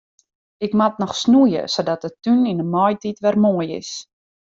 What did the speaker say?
Ik moat noch snoeie sadat de tún yn de maitiid wer moai is.